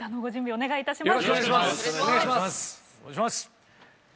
お願いいたします。